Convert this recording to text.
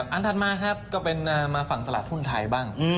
ถัดมาครับก็เป็นมาฝั่งตลาดหุ้นไทยบ้าง